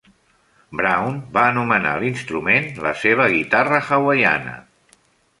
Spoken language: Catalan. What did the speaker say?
Brown va anomenar l'instrument "la seva guitarra hawaiana".